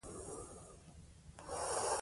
که دښمن مقاومت ونه کړي، ښار به ژر سقوط وکړي.